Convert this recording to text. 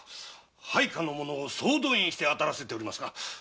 配下の者を総動員して当たらせておりますがまだ。